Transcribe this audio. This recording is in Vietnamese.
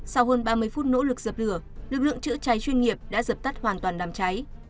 sau hơn ba mươi phút nỗ lực sập lửa lực lượng chữa cháy chuyên nghiệp đã sập tắt hoàn toàn đàm cháy